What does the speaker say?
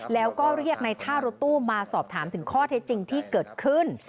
แล้วก็เรียกในท่ารถตู้มาสอบถามถึงข้อเท็จจริงที่เกิดขึ้น